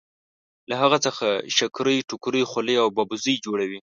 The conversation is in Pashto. له هغه څخه شکرۍ ټوکرۍ خولۍ او ببوزي جوړوي.